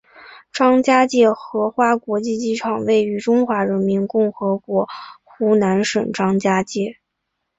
张家界荷花国际机场位于中华人民共和国湖南省张家界市。